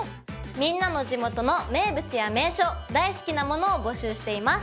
みんなの地元の名物や名所大好きなものを募集しています。